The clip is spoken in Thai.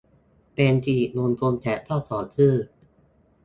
เป็นศิริมงคลแก่เจ้าของชื่อ